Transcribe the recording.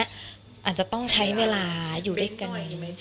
อาจจะต้องใช้เวลาอยู่ด้วยกันไหม